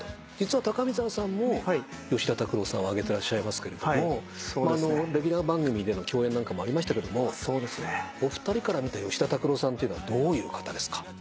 実は高見沢さんも吉田拓郎さんを挙げてらっしゃいますけれどもレギュラー番組での共演なんかもありましたけれどもお二人から見た吉田拓郎さんっていうのはどういう方ですか？